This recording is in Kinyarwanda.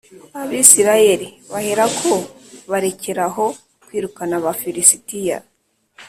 Abisirayeli baherako barekera aho kwirukana Abafilisitiya